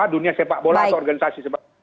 dunia sepak bola atau organisasi sepak bola